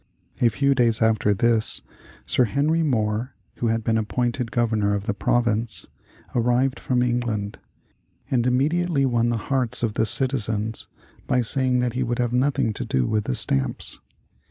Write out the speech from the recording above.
A few days after this Sir Henry Moore (who had been appointed Governor of the province) arrived from England, and immediately won the hearts of the citizens by saying that he would have nothing to do with the stamps.